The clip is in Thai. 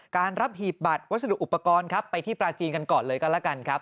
การรับหีบบัตรวัสดุอุปกรณ์ครับไปที่ปลาจีนกันก่อนเลยก็แล้วกันครับ